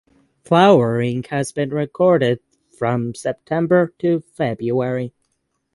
Flowering has been recorded from September to February.